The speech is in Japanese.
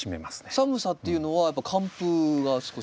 寒さっていうのはやっぱ寒風が少し？